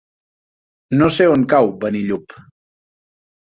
No sé on cau Benillup.